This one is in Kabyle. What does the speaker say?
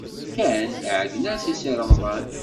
Ken iɛeyyen-as i Si Remḍan.